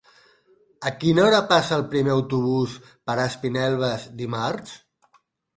A quina hora passa el primer autobús per Espinelves dimarts?